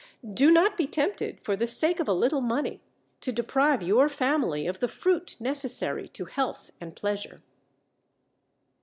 Do not be tempted, for the sake of a little money, to deprive your family of the fruit necessary to health and pleasure.